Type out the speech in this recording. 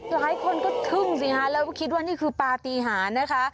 หลายคนก็ทึ่งสิฮะแล้วก็คิดว่านี่คือปฏิหารนะคะ